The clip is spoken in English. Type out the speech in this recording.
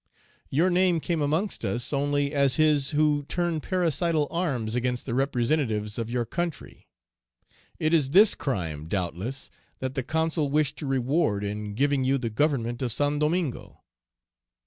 Your name came amongst us only as his who turned parricidal arms against the representatives of your country. It is this crime, doubtless, that the Consul wished to reward in giving you the government of Saint Domingo."